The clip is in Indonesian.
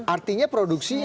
artinya produksinya dong